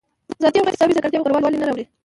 ذاتي او غیر اکتسابي ځانګړتیاوې غوره والی نه راوړي.